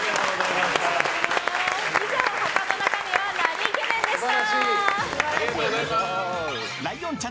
以上、箱の中身はなにイケメン？でした。